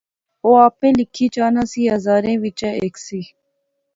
او آپے لکھیں چا نہ سہی ہزاریں وچا ہیک سی